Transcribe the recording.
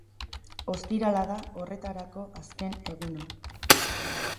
Ostirala da horretarako azken eguna.